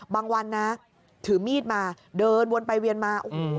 บางวันนะถือมีดมาเดินวนไปเวียนมาอืม